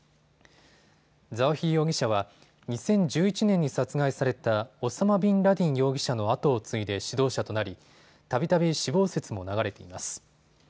ザワヒリ容疑者は２０１１年に殺害されたオサマ・ビンラディン容疑者のあとを継いで指導者となり、たびたび死亡説も流れています。